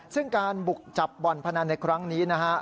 ซึ่งการบุกจับบ่อนพนันในครั้งนี้นะฮะ